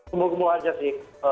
kumpul kumpul aja sih